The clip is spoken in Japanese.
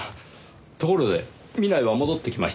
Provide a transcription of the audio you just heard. ところで南井は戻ってきましたか？